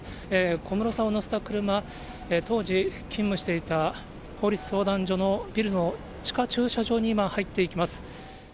小室さんを乗せた車、当時勤務していた法律相談所のビルの地下駐車場に今、入っていきます。